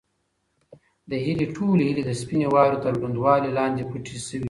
د هیلې ټولې هیلې د سپینې واورې تر لوندوالي لاندې پټې شوې وې.